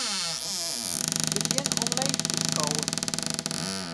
Begjin omleech te skowen.